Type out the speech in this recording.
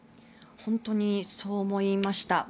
本当にそう思いました。